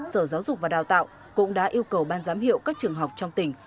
sở giáo dục và đào tạo cũng đã yêu cầu ban giám hiệu các trường học trong tỉnh